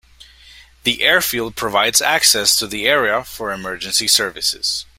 The airfield provides access to the area for emergency services.